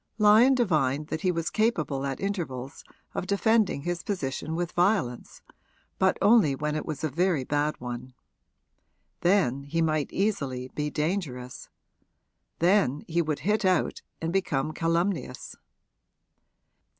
Lyon divined that he was capable at intervals of defending his position with violence, but only when it was a very bad one. Then he might easily be dangerous then he would hit out and become calumnious.